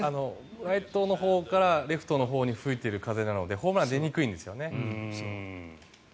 ライトのほうからレフトのほうに吹いている風なのでホームランが出にくいんですよね。